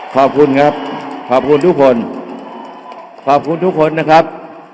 ขอบคุณครับขอบคุณทุกคนนะครับ